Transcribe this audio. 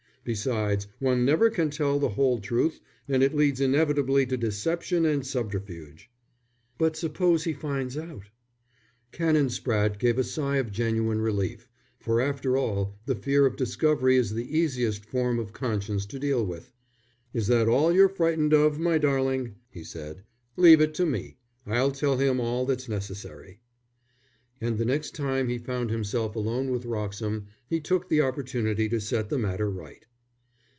Besides, one never can tell the whole truth, and it leads inevitably to deception and subterfuge." "But suppose he finds out?" Canon Spratte gave a sigh of genuine relief, for after all the fear of discovery is the easiest form of conscience to deal with. "Is that all you're frightened of, my darling?" he said. "Leave it to me. I'll tell him all that's necessary." And the next time he found himself alone with Wroxham, he took the opportunity to set the matter right.